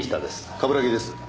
冠城です。